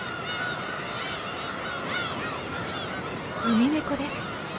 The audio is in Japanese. ウミネコです。